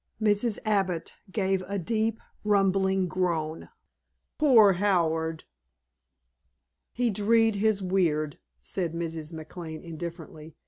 Mrs. Abbott gave a deep rumbling groan. "Poor Howard!" "He dreed his weird," said Mrs. McLane indifferently.